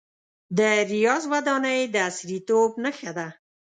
د ریاض ودانۍ د عصریتوب نښه ده.